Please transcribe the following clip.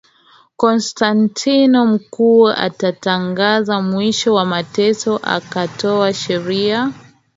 Konstantino Mkuu akatangaza mwisho wa mateso Akatoa sheria